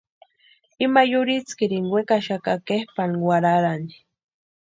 Ima yurhitskirini wekaxaka kepʼani warharani.